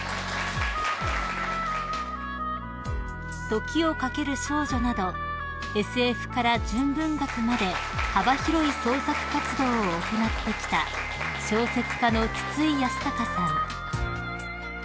［『時をかける少女』などＳＦから純文学まで幅広い創作活動を行ってきた小説家の筒井康隆さん］